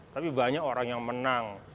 tapi banyak orang yang menang